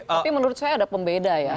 tapi menurut saya ada pembeda ya